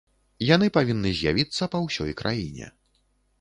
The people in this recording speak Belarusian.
Яны павінны з'явіцца па ўсёй краіне.